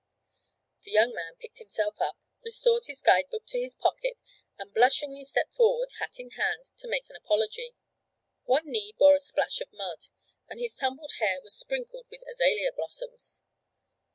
The young man picked himself up, restored his guide book to his pocket, and blushingly stepped forward, hat in hand, to make an apology. One knee bore a splash of mud, and his tumbled hair was sprinkled with azalea blossoms.